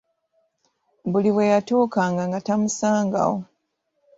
Buli we yatuukanga nga tamusaga wo..